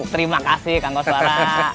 terima kasih kang koswara